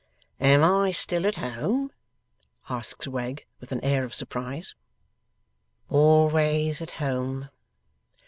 Am I still at home?' asks Wegg, with an air of surprise. 'Always at home.